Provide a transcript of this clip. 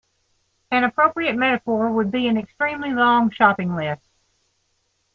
An appropriate metaphor would be an extremely long shopping list.